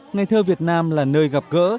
ngày thơ việt nam là nơi gặp gỡ